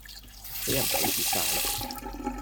俾人睇蝕曬